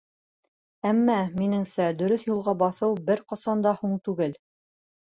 Әммә, минеңсә, дөрөҫ юлға баҫыу бер ҡасан да һуң түгел.